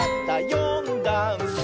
「よんだんす」